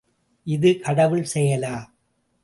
இது கடவுள் செயலா?